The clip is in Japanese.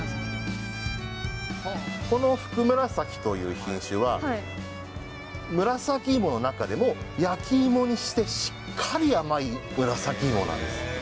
このふくむらさきという品種は、紫いもの中でも、焼きいもにしてしっかり甘い紫いもなんです。